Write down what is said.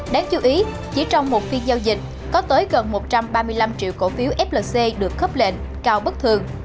đáng chú ý chỉ trong một phiên giao dịch có tới gần một trăm ba mươi năm triệu cổ phiếu flc được khớp lệnh cao bất thường